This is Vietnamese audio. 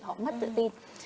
họ mất tự tin